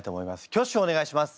挙手をお願いします。